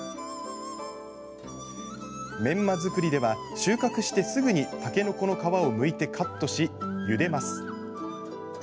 メンマ作りでは、収穫してすぐにタケノコの皮をむいてカットしゆでます。